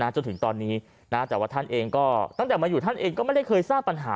จนถึงตอนนี้แต่ว่าท่านเองก็ตั้งแต่มาอยู่ท่านเองก็ไม่ได้เคยสร้างปัญหา